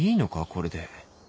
これで